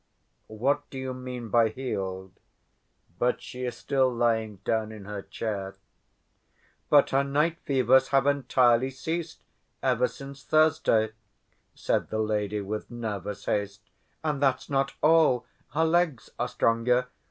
"What do you mean by healed? But she is still lying down in her chair." "But her night fevers have entirely ceased ever since Thursday," said the lady with nervous haste. "And that's not all. Her legs are stronger.